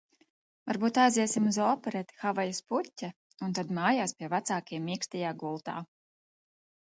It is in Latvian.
"Varbūt aiziesim uz opereti "Havajas puķe" un tad mājās pie vecākiem mīkstajā gultā."